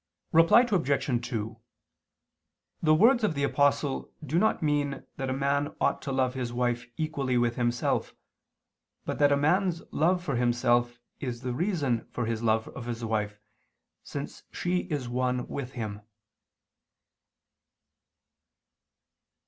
Reply Obj. 2: The words of the Apostle do not mean that a man ought to love his wife equally with himself, but that a man's love for himself is the reason for his love of his wife, since she is one with him.